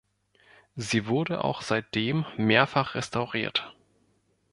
Sie wurde auch seitdem mehrfach restauriert.